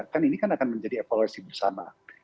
kan ini akan menjadi evolusi bersama